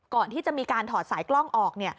ก่อนที่จะมีการถอดสายกล้องออก